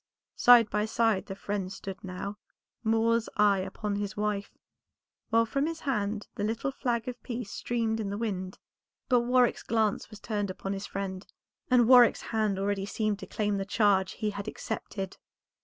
Side by side the friends stood now; Moor's eye upon his wife, while from his hand the little flag of peace streamed in the wind. But Warwick's glance was turned upon his friend, and Warwick's hand already seemed to claim the charge he had accepted.